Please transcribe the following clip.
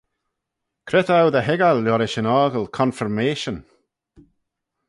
Cre t'ou dy hoiggal liorish yn 'ockle confirmation?